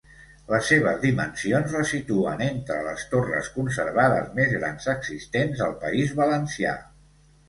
Les seves dimensions la situen entre les torres conservades més grans existents al País Valencià.